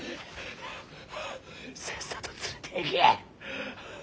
ハァハァさっさと連れていけ！